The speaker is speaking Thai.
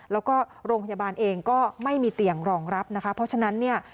แล้วก็โรงพยาบาลเองก็ไม่มีเตียงรองรับนะคะเพราะฉะนั้นเนี่ย